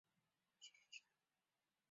学生要在企业里来完成实习部分课程。